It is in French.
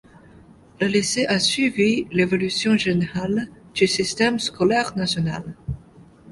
Le lycée a suivi l’évolution générale du système scolaire national.